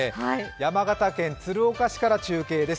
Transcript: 山形県鶴岡市から中継です